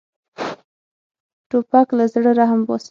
توپک له زړه رحم باسي.